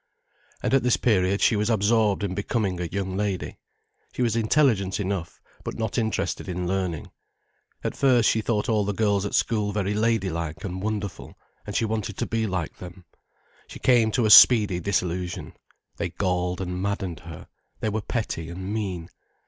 And at this period she was absorbed in becoming a young lady. She was intelligent enough, but not interested in learning. At first, she thought all the girls at school very ladylike and wonderful, and she wanted to be like them. She came to a speedy disillusion: they galled and maddened her, they were petty and mean.